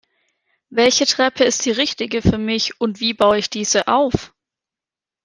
Welche Treppe ist die richtige für mich, und wie baue ich diese auf?